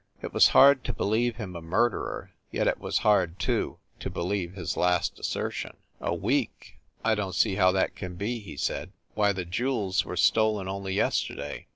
It was hard to believe him a murderer, yet it was hard, too, to believe his last assertion. "A week ! I don t see how that can be," he said. "Why, the jewels were stolen only yesterday!"